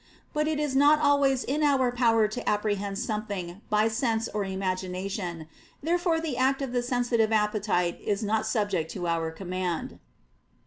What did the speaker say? But it is not always in our power to apprehend something by sense or imagination. Therefore the act of the sensitive appetite is not subject to our command.